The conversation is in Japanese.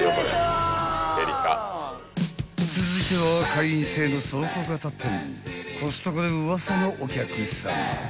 ［続いては会員制の倉庫型店］